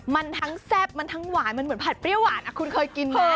มันทั้งแซ่บมันทั้งหวานมันเหมือนผัดเปรี้ยวหวานคุณเคยกินไหม